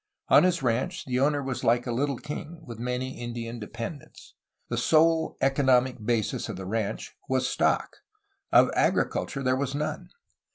On his ranch the owner was like a little king, with many Indian dependents. The sole economic basis of the ranch was stock; of agriculture there was none.